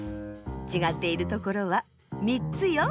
ちがっているところは３つよ。